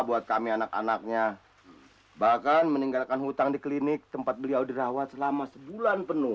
buat kami anak anaknya bahkan meninggalkan hutang di klinik tempat beliau dirawat selama sebulan penuh